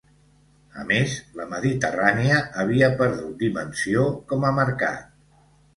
A més, la Mediterrània havia perdut dimensió com a mercat.